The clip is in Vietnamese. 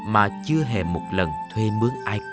mà chưa hề một lần thuê mướn ai coi sóc